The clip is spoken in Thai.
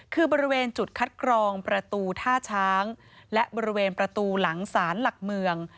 คือบริเวณจุดคัดกรองประตูท่าช้างและบริเวณประตูหลังศาลหลักเมือง